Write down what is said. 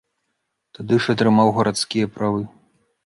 Тады ж атрымаў гарадскія правы.